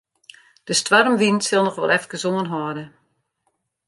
De stoarmwyn sil noch wol efkes oanhâlde.